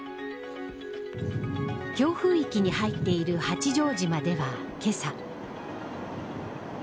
強風域に入っている八丈島ではけさ。